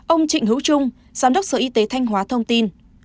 ông trịnh hữu trung giám đốc sở y tế thanh hóa thông tin